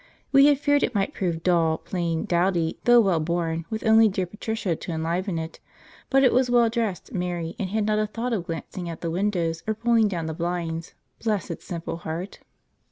We had feared it might prove dull, plain, dowdy, though wellborn, with only dear Patricia to enliven it; but it was well dressed, merry, and had not a thought of glancing at the windows or pulling down the blinds, bless its simple heart!